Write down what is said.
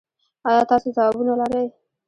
ایا تاسو ځوابونه لرئ؟